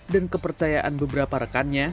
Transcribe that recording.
dan kepercayaan beberapa rekannya